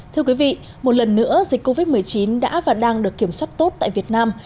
thưa quý vị một lần nữa dịch covid một mươi chín đã và đang được kiểm soát tốt tại việt nam